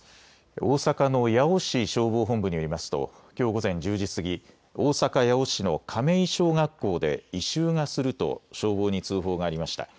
大阪の八尾市消防本部によりますときょう午前１０時過ぎ、大阪八尾市の亀井小学校で異臭がすると消防に通報がありました。